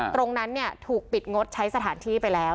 ตรงนั้นถูกปิดงดใช้สถานที่ไปแล้ว